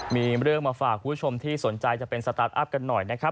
มีเรื่องมาฝากคุณผู้ชมที่สนใจจะเป็นสตาร์ทอัพกันหน่อยนะครับ